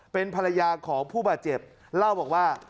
เป็นภรรยาของผู้บาดเจ็บเล่าบอกว่า